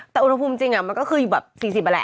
แต่อุณหภูมิจริงมันก็คืออยู่แบบ๔๐นั่นแหละ